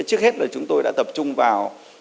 trước hết là chúng tôi đã tập trung vào